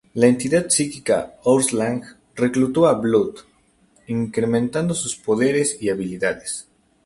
La entidad psíquica Onslaught, reclutó a Blob, incrementando sus poderes y habilidades.